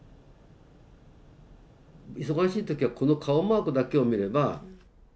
忙しい時はこの顔マークだけを見れば。